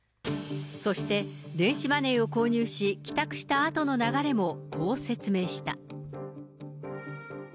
そして電子マネーを購入し、帰宅したあとの流れも、こう説明した。